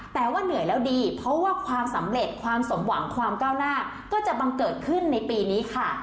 แต่ว่าเหนื่อยแล้วดีเพราะว่าความสำเร็จความสมหวังความก้าวหน้าก็จะบังเกิดขึ้นในปีนี้ค่ะ